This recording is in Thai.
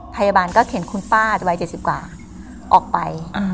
พยาบาลก็เขียนคุณป้าอาจจะวายเจ็ดสิบกว่าออกไปอืม